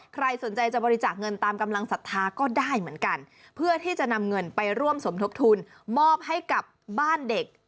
ใครสนใจจะบริจาคเงินตามกำลังศรัทธาก็ได้เหมือนกันเพื่อที่จะนำเงินไปร่วมสมทบทุนมอบให้กับบ้านเด็ก